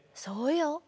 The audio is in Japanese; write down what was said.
そうよ。